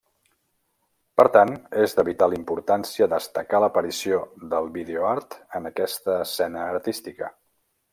Per tant, és de vital importància destacar l'aparició del videoart en aquesta escena artística.